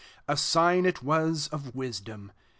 A sign it was of wisdom.